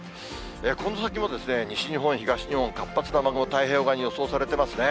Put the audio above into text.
この先も西日本、東日本、活発な雨雲、太平洋側に予想されてますね。